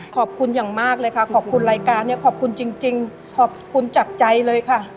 ขอบคุณอย่างมากเลยค่ะขอบคุณรายการเนี่ยขอบคุณจริงขอบคุณจากใจเลยค่ะ